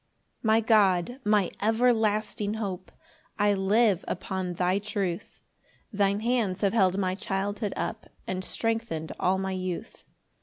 1 My God, my everlasting hope, I live upon thy truth; Thine hands have held my childhood up, And strengthen'd all my youth.